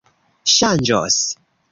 ŝanĝos